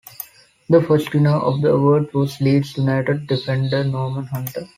The first winner of the award was Leeds United defender Norman Hunter.